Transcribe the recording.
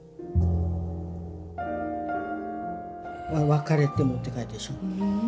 「別れても」って書いてあるでしょ。